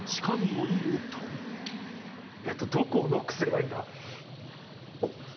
えっと、どこをノックすればいいんだ？